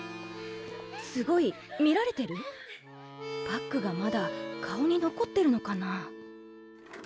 すごい見られてる？パックがまだ顔に残ってるのかな？